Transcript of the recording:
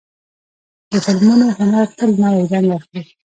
د فلمونو هنر تل نوی رنګ اخلي.